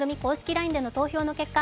ＬＩＮＥでの投票の結果